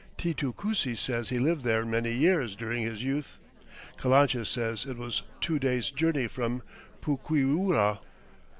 Titu Cusi says he lived there many years during his youth. Calancha says it was "two days' journey from Puquiura."